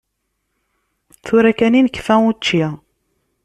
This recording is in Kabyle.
Tura kan i nekfa učči.